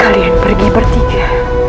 kalian pergi bertiga